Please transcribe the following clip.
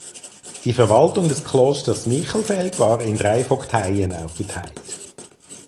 Die Verwaltung des Klosters Michelfeld war in drei Vogteien aufgeteilt.